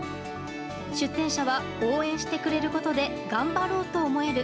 出店者は、応援してくれることで頑張ろうと思える。